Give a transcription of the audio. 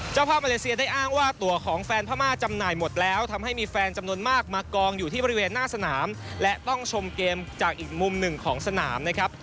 เจ้าภาพมาเลเซียได้อ้างว่าตัวของแฟนพม่าจำหน่ายหมดแล้วทำให้มีแฟนจำนวนมากมากองอยู่ที่บริเวณหน้าสนามและต้องชมเกมจากอีกมุมหนึ่งของสนามนะครับ